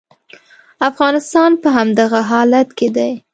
افغانستان په همدغه حالت کې دی.